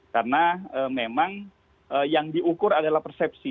karena memang yang diukur adalah persepsi